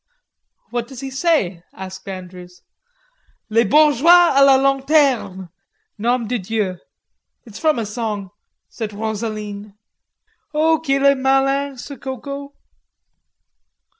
"What does he say?" asked Andrews. "'Les bourgeois a la lanterne, nom de dieu!' It's from a song," said Rosaline. "Oh, qu'il est malin, ce Coco!"